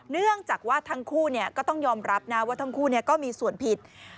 เนื่องจากว่าทั้งคู่ก็ต้องยอมรับนะว่าทั้งคู่ก็มีส่วนผิด